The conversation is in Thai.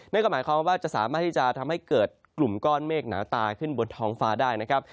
นั่นก็หมายความว่าจะสามารถที่จะทำให้เกิดกลุ่มก้อนเมฆหนาตาขึ้นบนท้องฟ้าได้นะครับ